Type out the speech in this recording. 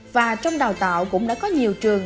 và trong đào tạo cũng đã có nhiều trường